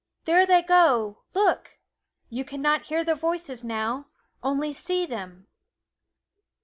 there they go look! you can not hear their voices now only see them!"